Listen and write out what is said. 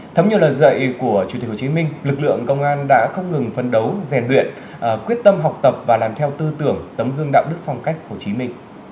thấm nhiều lời dạy của chủ tịch hồ chí minh lực lượng công an đã không ngừng phấn đấu rèn luyện quyết tâm học tập và làm theo tư tưởng tấm gương đạo đức phong cách hồ chí minh